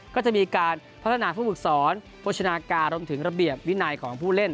ก็จะมีการพัฒนาผู้ฝึกสอนโภชนาการรวมถึงระเบียบวินัยของผู้เล่น